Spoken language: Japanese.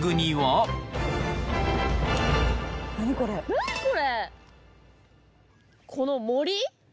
何これ？